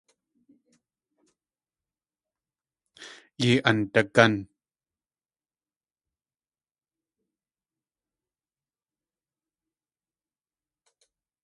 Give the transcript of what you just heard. Yei andagán.